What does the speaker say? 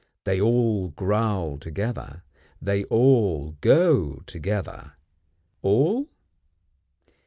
They all growl together; they all go together. All?